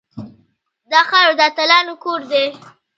دا خاوره د اتلانو کور دی